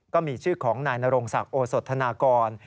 ก็มีชื่อของนายนรงศักดิ์โอสธนากร